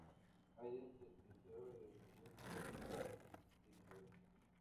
Hayden se especializó en westerns y cine negro.